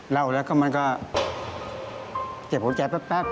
เล่าแล้วก็มันก็เจ็บหัวใจแป๊บ